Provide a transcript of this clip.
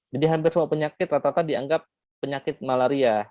jadi hampir semua penyakit rata rata dianggap penyakit malaria